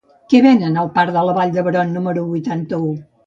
Què venen al parc de la Vall d'Hebron número vuitanta-u?